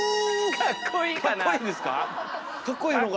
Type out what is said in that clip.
かっこいいんですか？